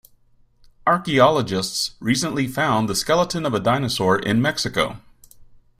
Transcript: Archaeologists recently found the skeleton of a dinosaur in Mexico.